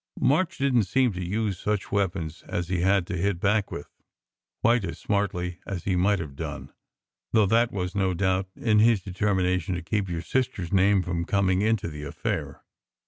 March didn t seem to use such weapons as he had to hit back with, quite as smartly as he might have done, though that was, no doubt, in his determination to keep your sister s name from coming into the affair.